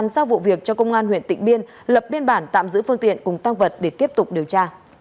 cơ quan cảnh sát điều tra công an tỉnh